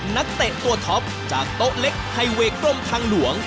นักเตะตัวท็อปจากโต๊ะเล็กไฮเวย์กรมทางหลวง